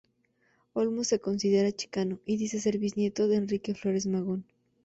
Olmos se considera chicano y dice ser bisnieto de Enrique Flores Magón.